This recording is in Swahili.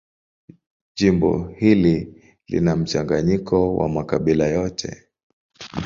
Jimbo hili lina mchanganyiko wa makabila yote.